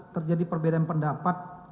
terjadi perbedaan pendapat